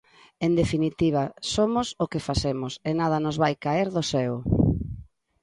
En definitiva, somos o que facemos e nada nos vai caer do ceo.